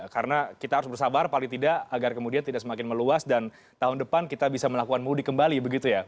karena kita harus bersabar paling tidak agar kemudian tidak semakin meluas dan tahun depan kita bisa melakukan mudik kembali begitu ya